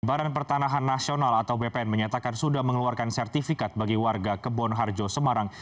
baran pertanahan nasional atau bpn menyatakan sudah mengeluarkan sertifikat bagi warga kebon harjo semarang